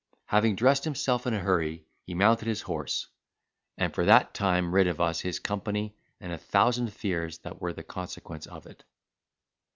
Having dressed himself in a hurry, he mounted his horse, and for that time rid us of his company and a thousand fears that were the consequence of it.